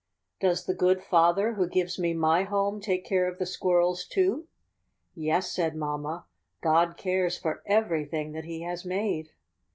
Does the good Father, who gives me my home, take care of the squirrels too?'' ^^Yes," said Mamma, ^^God cares for every thing that He has made."